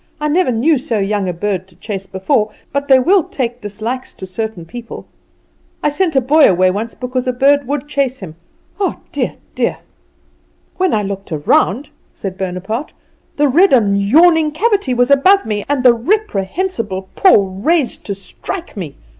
I never knew so young a bird to chase before; but they will take dislikes to certain people. I sent a boy away once because a bird would chase him. Ah, dear, dear!" "When I looked round," said Bonaparte, "the red and yawning cavity was above me, and the reprehensible paw raised to strike me.